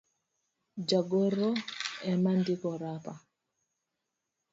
jagoro ema ndiko rapar